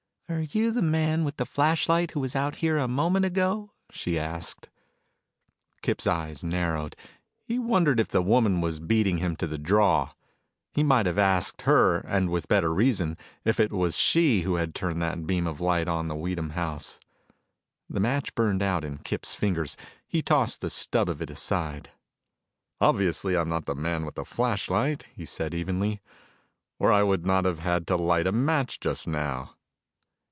"Are you the man with the flashlight who was out here a moment ago?" she asked. Kip's eyes narrowed. He wondered if the woman was beating him to the draw. He might have asked her, and with better reason, if it was she who had turned that beam of light on the Weedham house. The match burned out in Kip's fingers. He tossed the stub of it aside. "Obviously I'm not the man with the flashlight," he said evenly, "or I would not have had to light a match just now."